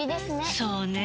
そうねぇ。